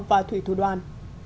và thủy thủ đoàn